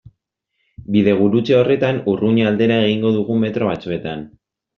Bidegurutze horretan Urruña aldera egingo dugu metro batzuetan.